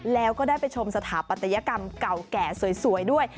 แล้วก็ได้ไปชมสถาปัตยกรรมเก่าแก่สวยด้วย